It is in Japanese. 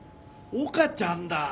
岡ちゃんだ。